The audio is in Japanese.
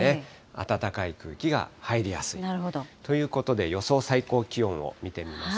暖かい空気が入りやすいということで、予想最高気温を見てみます